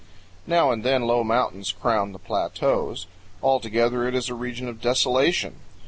Now and then low mountains crown the plateaus. Altogether it is a region of desolation.